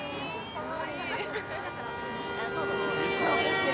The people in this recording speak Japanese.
・・かわいい！！